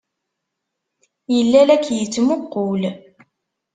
Yella la k-yettmuqqul.